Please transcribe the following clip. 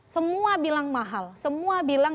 semua bilang mahal semua bilang